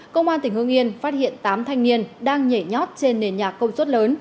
công an tỉnh hương yên phát hiện tám thanh niên đang nhảy nhót trên nền nhạc công suất lớn